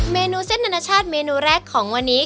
เมนูเส้นอนาชาติเมนูแรกของวันนี้